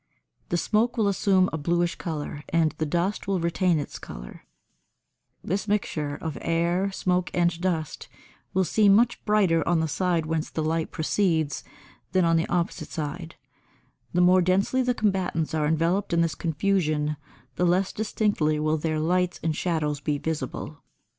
The smoke will assume a bluish colour, and the dust will retain its colour: this mixture of air, smoke and dust will seem much brighter on the side whence the light proceeds than on the opposite side; the more densely the combatants are enveloped in this confusion the less distinctly will their lights and shadows be visible.